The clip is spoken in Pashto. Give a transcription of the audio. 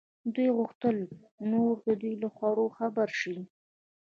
دوی غوښتل نور د دوی له خوړو خبر شي.